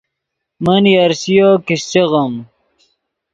من یرشِیو کیشچے غیم